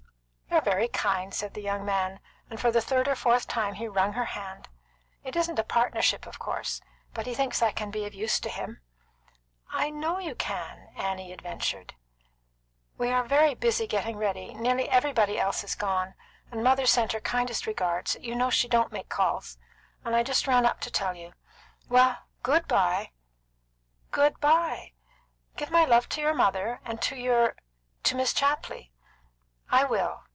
"You're very kind," said the young man, and for the third or fourth time he wrung her hand. "It isn't a partnership, of course; but he thinks I can be of use to him." "I know you can!" Annie adventured. "We are very busy getting ready nearly everybody else is gone and mother sent her kindest regards you know she don't make calls and I just ran up to tell you. Well, good bye!" "Good bye! Give my love to your mother, and to your to Miss Chapley." "I will."